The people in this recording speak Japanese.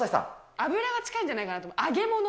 油が近いんじゃないかと思う。